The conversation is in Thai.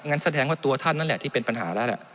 แสดงว่าตัวท่านนั่นแหละที่เป็นปัญหาแล้วแหละ